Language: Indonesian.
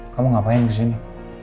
kamu ngapain kesini